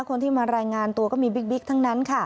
คนที่มารายงานตัวก็มีบิ๊กทั้งนั้นค่ะ